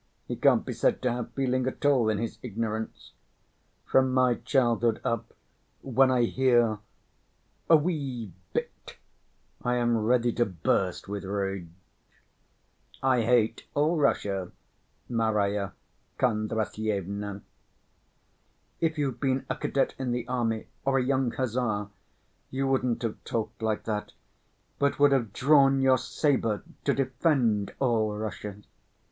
He can't be said to have feeling at all, in his ignorance. From my childhood up when I hear 'a wee bit,' I am ready to burst with rage. I hate all Russia, Marya Kondratyevna." "If you'd been a cadet in the army, or a young hussar, you wouldn't have talked like that, but would have drawn your saber to defend all Russia."